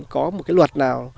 có một cái luật nào